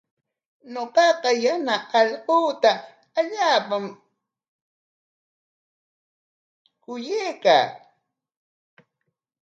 Ñuqaqa yana allquuta allaapam kuyaq kaa.